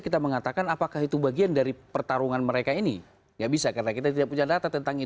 kami akan segera kembali